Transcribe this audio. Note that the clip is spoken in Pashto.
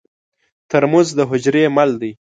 ترموز د حجرې مل دی.